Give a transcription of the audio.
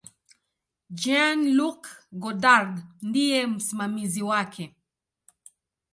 Jean-Luc Godard ndiye msimamizi wake.